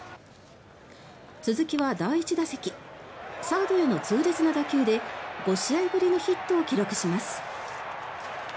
鈴木は第１打席サードへの痛烈な打球で５試合ぶりのヒットを記録します。